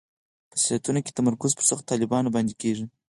په سیاستونو کې تمرکز پر سختو طالبانو باندې کېږي.